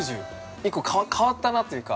１個、変わったなというか。